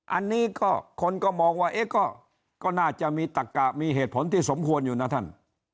อันนี้ก็คนก็มองว่าเอ๊ะก็น่าจะมีตักกะมีเหตุผลที่สมควรอยู่นะท่าน